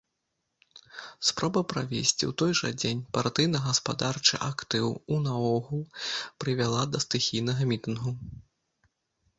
Спроба правесці ў той жа дзень партыйна-гаспадарчы актыў у наогул прывяла да стыхійнага мітынгу.